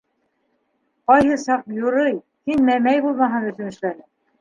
- Ҡайһы саҡ юрый, һин мәмәй булмаһын өсөн эшләнем.